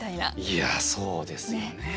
いやそうですよね。